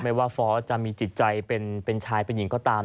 ไม่ว่าฟอร์สจะมีจิตใจเป็นชายเป็นหญิงก็ตาม